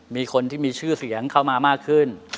มีคนที่มีชื่อเสียงเข้ามามากขึ้น